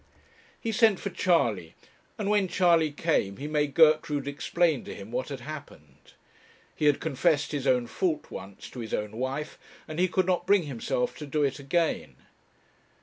He sent for Charley, and when Charley came he made Gertrude explain to him what had happened. He had confessed his own fault once, to his own wife, and he could not bring himself to do it again.